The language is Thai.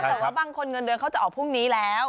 แต่ว่าบางคนเงินเดือนเขาจะออกพรุ่งนี้แล้ว